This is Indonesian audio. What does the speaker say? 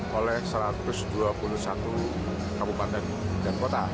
satu ratus dua puluh satu kota dan kabupaten